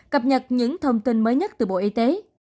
cập nhật những thông tin mới nhất từ bộ y tế